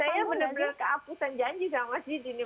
saya bener bener keapusan janji sama mas didi nih